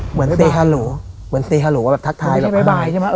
เหมือนเต้ฮัลโหลเหมือนเต้ฮัลโหลแบบทักทายแบบไม่ใช่บายบายใช่ไหม